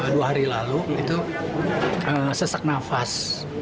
dua hari lalu itu sesak nafas